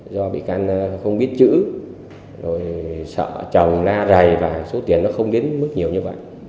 do bị can không biết chữ rồi sợ chồng la rầy và số tiền nó không đến mức nhiều như vậy